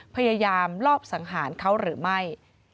พยายามลอบสังหารเขาหรือไม่